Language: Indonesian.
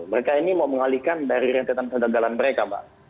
mereka ini mau mengalihkan dari rentetan kegagalan mereka mbak